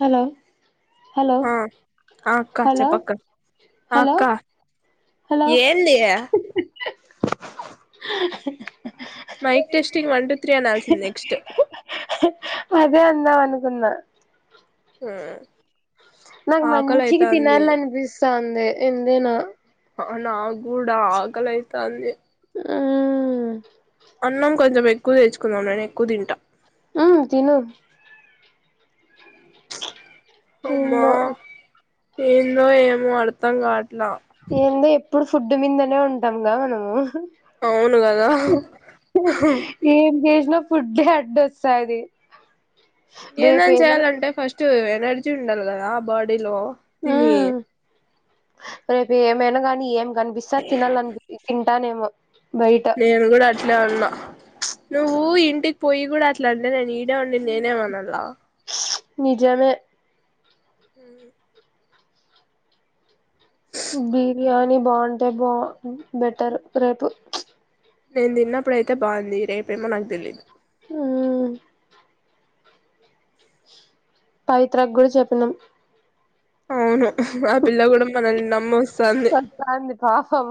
Hello hello హ ఆ అక్క హలో చెప్పక్క ఆ హలో అక్క hello ఏందియా [inaudible] mic testing one two three అని ఆనాల్సింది నెక్స్ట్ సున్న హుమ్ నాకు మంచిగ తినాలనిపిస్తంది ఎందేనా అ నాగ్గుడా ఆకలైతాంది హుమ్ అన్నం కొంచెం ఎక్కువ తెచ్చుకుందాం నేను ఎక్కువ తింటా హుమ్ తిను అమ్మా ఏందో ఏందో ఏమో అర్థం కాట్ ఏందో ఎప్పుడు ఫుడ్ మీదనే ఉంటాంగా మనము అవును కదా ఎం జెస్ నా ఫుడ్డే అడ్డోస్తది ఏందన చెయాలంటే ఫస్ట్ ఎనర్జీ ఉండాలి కదా బాడీలో తిని మ్మ్ రేపు ఏమైనా గానీ ఏం కనిపిస్తా అది తినాలనిపి తింటానేమో బయట నేను కూడా అట్లే ఉన్నా నువ్వు ఇంటికి పోయి కూడా అట్లా అంటే నేను ఈడే ఉండి నేనేమనల్లా నిజమే హు బిర్యానీ బాగుంటే బా బెటర్ రేపు నేను తిన్నప్పుడు అయితే బాగుంది రేపేమో నాకు తెలీయదు హుమ్ పవిత్ర గూడ చెప్పినాం అవును ఆ పిల్ల కూడా మనల్ని నమ్మోస్తాంది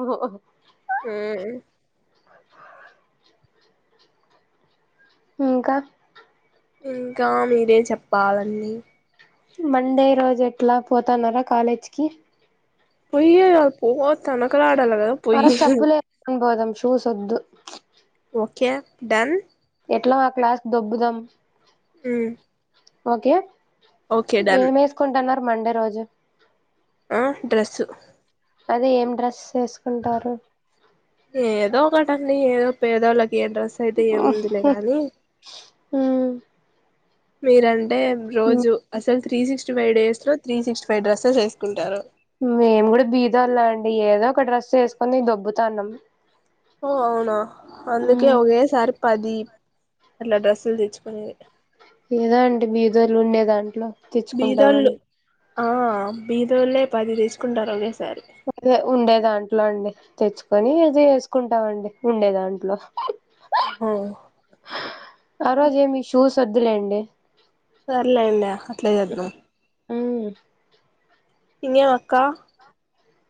ఓ ఇంకా ఇంకా మీరే చెప్పాలండి మండే రోజు ఎట్లా పోతన్నారా కాలేజీకి పోయి ఓ తనకలాడల్లా కదా మర పోయి చెప్పులే వేసుకొని పోదాం షూస్ వద్దు చిప్ ఓ కే డన్ ఎట్లా ఆ క్లాస్ దో బ్బుదాం ఉ ఓకే ఏం వేసుకుంటున్నారు మండే రోజు ఆ డ్రెస్సు అదే ఏం డ్రస్ వేసుకుంటారు ఏదో ఒకటి అండి ఏదో పేదోళ్లకి ఏ డ్రెస్ అయితే ఏముందిలే కానీ ఉ మీరంటే రోజు అసలు త్రీ సిక్స్టీ ఫైవ్ డేస్ లో త్రీ సిక్స్టీ ఫైవ్ డ్రెస్సెస్ వేసుకుంటారు మేము కూడా బీదొ లం అండి ఏదో ఒక డ్రెస్ వేసుకొని దొబ్బుతానం ఓ అవునా అందుకే ఒకేసారి పది అట్లా డ్రెస్సులు తెచ్చుకునేది ఏదా అండి బీదోలు ఉండే దాంట్లో తెచ్చుకుంటాము బీదోళ్ళు ఆ బీదోళ్లే పది తీసుకుంటారు అనే అదే ఉండేదాం ఇట్లా అండి తెచ్చుకొని అది వేసుకుంటామండి ఉండే దాంట్లో ఓహో ఆ రోజేమి షూస్ వద్దులేండి సర్లేండి అట్లే చేద్దాం ఉ ఇంగేమి అక్క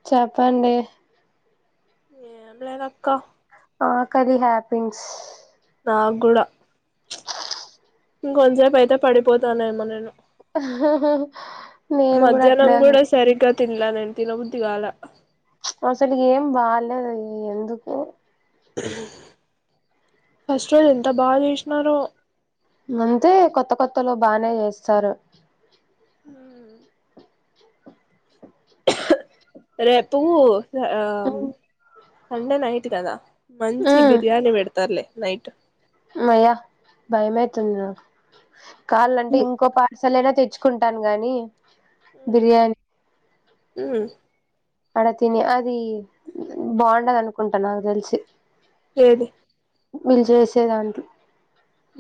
చెప్పండి ఏం లేదు అక్కా ఆ కది హ్యాపింగ్స్ నాక్కూడా ఇంకొంచం సేపు అయితే పడిపోతానేమో నేను ఊ హు మధ్యాహ్నం కూడా సరిగ్గా తినలే నేను తినబుద్ధి కాలే అసలు ఏం బాలేదు ఎందుకో ఫస్ట్ రోజు ఎంత బాగా చేసినారో అంతే కొత్త కొత్తలో బానే చేస్తారు రేపు ఆ సండే నైట్ కదా మంచి బిర్యానీ పెడతారులే నైట్ అమ్మయ్య భయమైతుంది నాకు కాలంటే ఉ ఇంకో పార్సల్ అయిన తెచ్చుకుంటా తెచ్చుకుంటాను గాని బిర్యానీ ఉ అడ తిని అది, బాగుండదు అనుకుంట నాకు తెలిసి ఏది? వీళ్లు చేసేదానికి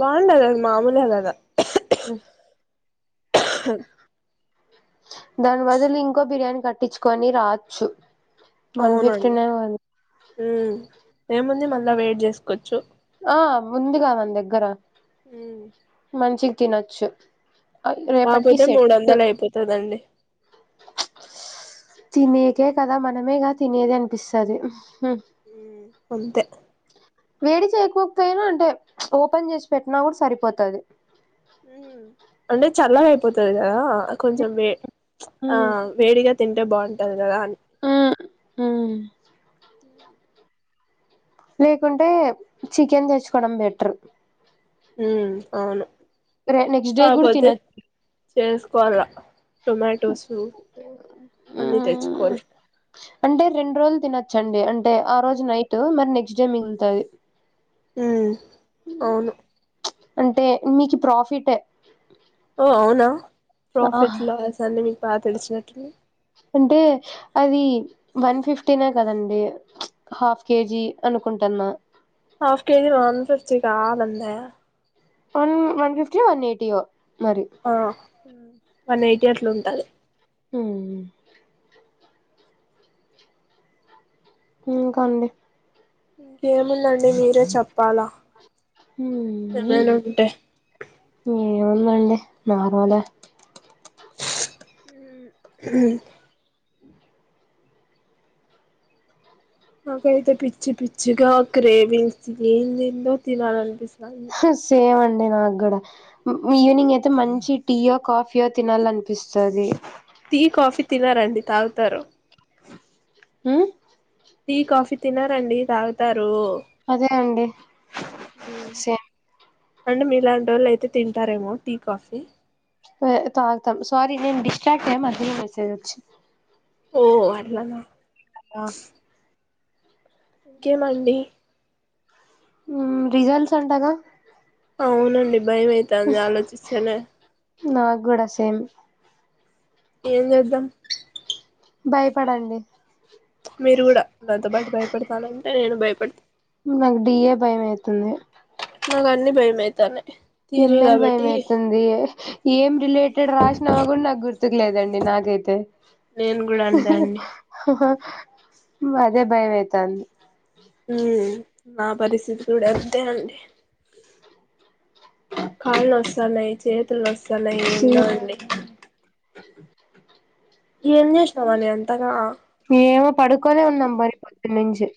బాగుండదది మామూలులాగ ఉ దానివదిలి ఇంకో బిర్యానీ కట్టించుకొని రాచ్చు వన్ అవునండి ఫిఫ్టీన్నైన్ ఉమ్ ఏముంది మళ్ళ వేడ్ చేసుకోచ్చు ఆ ఉంది కదా మన దగ్గర ఉ ''తినచ్చు'' అది రేపటికి కాపోతే సెట్ మూడు వందలు అయిపోతదండి తినేకే కదా మనమేగా తినేదనిపిస్తది, ఉహ్ అంతె వేడి చేయకపోపోయినా అంటే ఓపెన్ చేసి పెట్టినా కూడ సరిపోతది మ్, అంటె చల్లగయ్పోతద్ కదా కొంచెం వే ఆ వేడిగా తింటే బోన్టది గదా అ మ్ లేకుంటే, చికెన్ తెచ్చుకోడం బెటర్ మ్ అవును రే నెక్స్ట్ డే కూడా కాపోతే, తినొచ్చు చేసుకోల్ల టొమెటోసు, అన్ని మ్మ్ తెచ్చుకోల్. చ్చండి అంటే ఆ రోజు నైట్ మర్ నెక్స్ట్డే మిగులుతది ఉమ్ అవును అంటే మీకి ప్రాఫిట్ ఓ అవునా, ఆహ్ ప్రాఫిట్ లాస్ అన్ని మీక్ బా తెలిసినట్టున్నయ్ అంటే అది వన్ ఫిఫ్టీనే కదండి, హాఫ్ కేజీ అనుకుం టన్నా హాఫ్ కేజి వన్ ఫిఫ్టీ కాదండే మ్ వన్ ఫిఫ్టీయె, వన్ ఎయిటీయె. ఆ, వన్ ఎయిటీ అట్లున్టది. మ్మ్ ఇకాండి? ఇంకేముందండి మీరే చెప్పాల! [unintelligible] మండె నార్మలె మ్ మాకైతే పిచ్చి పిచ్చిగా గ్రీవింగ్స్, ఇదేంఏంది ఏందో తినాలనిపిస్తాంది. మె నాగ్గుడా ఈవినింగ్ అయితే మంచి టీయో, కాఫీయో తినాలనిపిస్తది. టీ, కాఫీ తినరండి, తాగుతారు. ఉమ్ టీ, కాఫీ తినరండి, తాగుతార్ అదే అండి, సెమ్ అంటె మీలాంటోల్లయితే తింటారేమో టీ, కాఫీ. [unintelligible] స్వారీ అది మెసేజ్ వచ్చ [unintelligible] ఓ అట్లన ఇంకేమండి మ్ రిజల్ట్స్ అంటగా అవునండి బయమైతంది ఆలోచిస్తేనే నాక్ గూడ సేమ్ ఏం చేద్దాం భయపడండి మీరు గుడ నాతోపాటు భయపడతానంటే నేను భయపెడత నాకు డిఏ భయం ఐతుంది నాకన్ని బయమైతనె ఎమ్ ఎల్ భయం ఐతంది ఏం రిలేటెడ్ రాసినా గూడా నాకు గుర్తుకు లేదండి నాది కయితె నేను కూడా అంతే హ్మ్ నా పరిస్థితి గూడా అంతేనండి కాళ్ళు నొస్తున్నాయి చేతులు నొస్తున్నాయి [inaudible] సెమ్ ఏందో అండి [inaudible] ఎం జేసినావ్ అని అంతగా ఏమో పడుకోనే ఉన్నాం మరి పొద్దునుంచి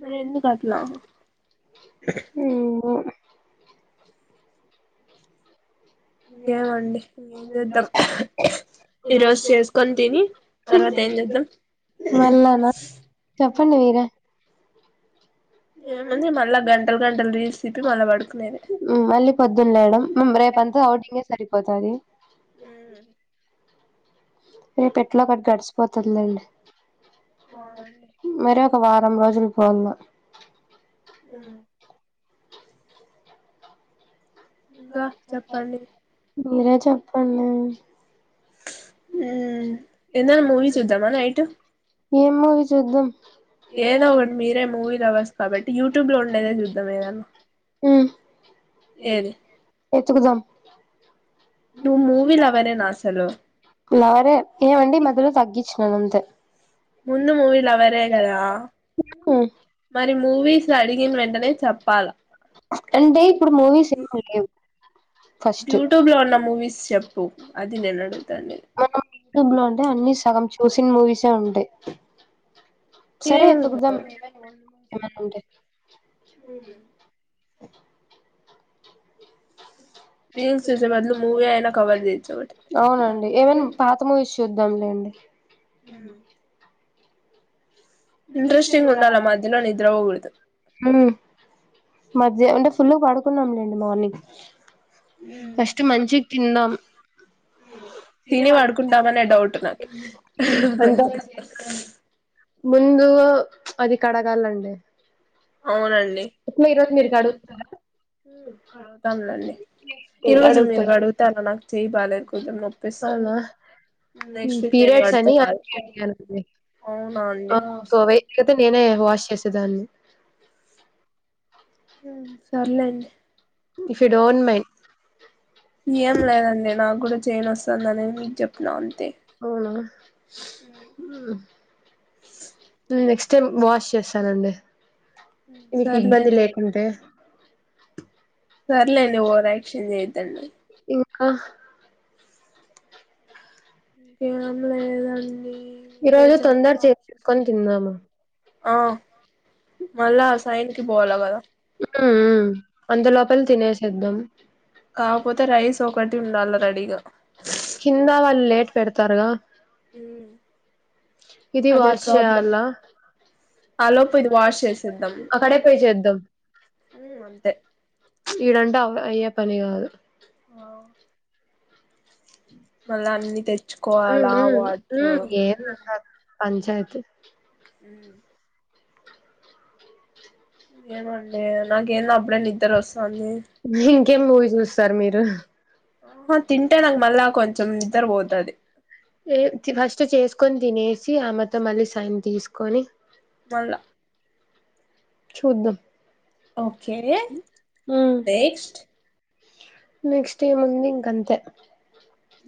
మరెందుకట్ల. ఎమండి ఏం జేద్దాం ఈ రోజు చేస్కొని తిని తర్వాత. ఎంజేదాం మళ్ళానా చెప్పండి మీరే. ఏముంది మల్లా గంటల్ గంటల్ రీల్స్ తిప్పి మళ్ళా పడుకునేదే. హ్మ్ మళ్ళీ పొద్దున్ లేయడం రేపు అంతా ఔటింగే సరిపోతాంధీ. ఉమ్. రేపేట్లా గొట్ల గడిసిపోతదిలేండి. అవునండి మరొక వారం రోజులు పొవ. ఉమ్. ఇంకా చెప్పండి మీరే చెప్పండి. ఉమ్ ఏదన్నా మూవీ చూద్దామా నైటు. ఏం మూవీ చూద్దాం ఏదోకటి మీరే మూవీ లవర్స్. కాబట్టి యూట్యూబ్ లో ఉండేదే జుద్దాం ఏదన్నా. హ్మ్ ఏది ఎత్తుగుదాం. నువ్వు మూవీ లవరేనా అసలు క్లారే ఏమండి ఈ మధ్యలో తగ్గిచ్చిన. అంతే. ముందు మూవీ లవరేగదా. మరి మూవీస్ ల అడిగిన వెంటనే చెప్పాలా. అంటే ఇప్పుడు మూవీస్ ఏమి లెవ్. యూట్యూబ్ లో ఉన్న మూవీస్ చెప్పు అది నేన్ అడుగుతండేది. మనం యూట్యూబ్ లో అంటే అన్ని సగం చూసిన్ మూవీసె ఉంటయ్. సరే ఎత్తుకుదాం ఎమన్నావుంటే. [unintelligible] రీల్స్ చూసే బదులు మూవీ అయినా కవర్ చేయొచ్చు ఒకటి అవునండి ఏవైనా పాత మూవీస్ చూద్దాంలే. హ్మ్. ఇంట్రెస్టింగ్ గుండాల మధ్యలో నిద్ర పోగు. హ్మ్ మధ్య అంటే ఫుల్ పడుకున్నాం లేండి మార్నింగ్ ఫస్ట్ మంచిగ్ తిందాం. తిని వడుకుంటామనే డౌట్ నాకి. అంత ముందు అది కడగాలండి. అవునండి. ఎట్లా ఈరోజు మీరు కడుగుతున్నారా కడుగుతంలెండి ఈ రోజు అడుగుతా మీరు కడుగుతారా నాకు చెయ్ బాలేద్ కొంచెం నొప్పి. అవునా నెక్స్ట్ పీరియాడ్స్ కడుతా అని కాల్ అది అనింది అవునా అండి [unintelligible] కొవై పోతే నేనే వాష్ చేసేదాన్ని హ్మ్ సర్లేండి. ఇఫ్ యు డొన్ మైన్ ఏం లేదండి నాగుడా చైనోస్తంది అని మీక్ చెప్నాను. అవునా ఉమ్. నెక్స్ట్ టైమ్ వాష్ చేశానండి. మీక్ ఇబ్బంది సర్లేండి లేకుంటే. సర్లేండి ఓవరాక్షన్ జేయద్దండి. ఖ. ఇంకేం లేదండీ. ఈ రోజు తొందర చేసుకొని తిన్నాము. ఆ ఉమ్ మళ్ళా సైన్ కి పోవాల కదా ఉమ్ అంత లోపల తినేసేద్దాం. కాపోతే రైస్ ఒకటి ఉండాల రెడీగా. కింద వాల్ లేట్ పెడతారుగా. ఇది అదే వాష్ ప్రాబ్లం చేయాల్ల. ఆలోపు ఇది వాష్ చేసేద్దాం అక్కడే పే చేద్దాం. అంతే ఇ రెండు అవ్వ అయ్యే పని కాదు మళ్ళా అన్ని ఉ తెచ్చుకోవాలా ఉ ఊ వాటర్ ఏమ్ లేదు పంచాయతీ హ్మ్మ్ ఏమండి నాకేంది అప్పుడే నిద్ర వస్తాంది ఇంకేం మూవీ చూస్తారు మీరు ఆహా తింటాడని మళ్ళా కొంచెం నిద్ర పోతాది ఏ ఫస్ట్ చేసుకొని తినేసి ఆమెతో మళ్ళీ సైన్ తీసుకొని హల్ మళ్ళా చూద్దాం ఒకే ఓకే ఉ నెక్స్ట్ నెక్స్ట్ ఏముంది ఇంకా అంతే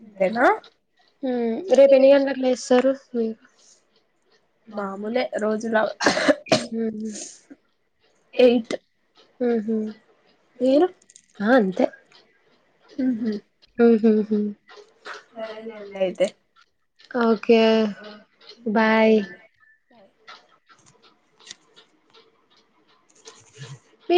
అంతేనా హు రేపు ఎన్ని గంటలకి లేస్తారు హ్మ్ మామూలే రోజులా హ్మ్ ఎయిట్ హు హు మీరు ఆ అంతే హు హు హు సరేలేండి అయితే ఓకే బాయ్ బాయ్ పీప్